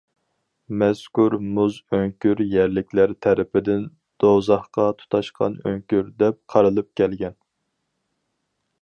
مەزكۇر مۇز ئۆڭكۈر يەرلىكلەر تەرىپىدىن« دوزاخقا تۇتاشقان ئۆڭكۈر» دەپ قارىلىپ كەلگەن.